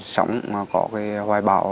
sống có hoài bảo